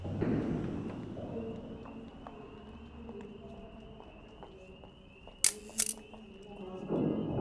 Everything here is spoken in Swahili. Kuanzia hapa mto ni mpaka kati ya Uthai na Laos.